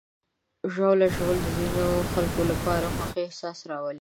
ژاوله ژوول د ځینو خلکو لپاره د خوښۍ احساس راولي.